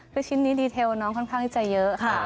คือชิ้นนี้ดีเทลน้องค่อนข้างจะเยอะค่ะ